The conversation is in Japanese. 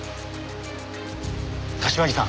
柏木さん。